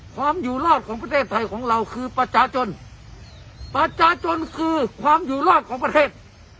ความอยู่รอดของประเทศไทยของเราคือประชาชนประชาชนคือความอยู่รอดของประเทศ